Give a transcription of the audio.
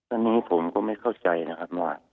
อันนี้ผมก็ไม่เข้าใจนะครับว่า